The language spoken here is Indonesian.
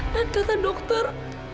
dan tata dokter